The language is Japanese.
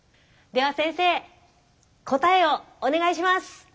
では先生答えをお願いします。